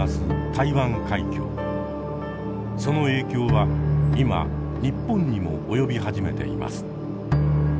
その影響は今日本にも及び始めています。